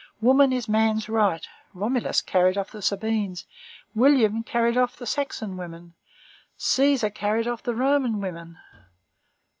Woman is man's right. Romulus carried off the Sabines; William carried off the Saxon women; Cæsar carried off the Roman women.